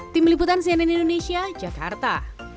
tim liputan cnn indonesia jakarta